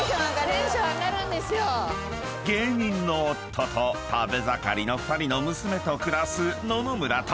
［芸人の夫と食べ盛りの２人の娘と暮らす野々村と］